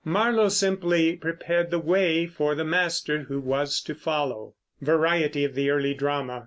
Marlowe simply prepared the way for the master who was to follow. VARIETY OF THE EARLY DRAMA.